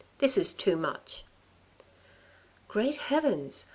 This is too much." " Great Heavens